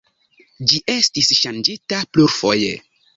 Ĝi estis ŝanĝita plurfoje.